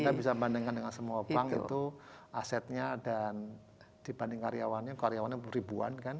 kita bisa bandingkan dengan semua bank itu asetnya dan dibanding karyawannya karyawannya ribuan kan